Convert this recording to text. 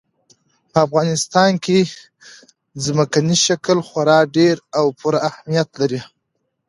په افغانستان کې ځمکنی شکل خورا ډېر او پوره اهمیت لري.